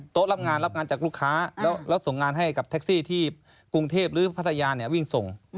รับงานรับงานจากลูกค้าแล้วส่งงานให้กับแท็กซี่ที่กรุงเทพหรือพัทยาวิ่งส่ง